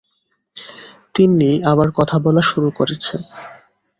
তিন্নি আবার কথা বলা শুরু করেছে।